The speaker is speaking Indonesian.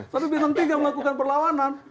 tapi bintang tiga melakukan perlawanan